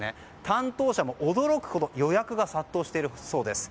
担当者も驚くほど予約が殺到しているそうです。